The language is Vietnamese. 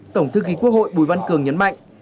tổng thư ký quốc hội bùi văn cường nhấn mạnh